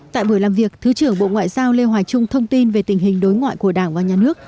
tại buổi làm việc thứ trưởng bộ ngoại giao lê hoài trung thông tin về tình hình đối ngoại của đảng và nhà nước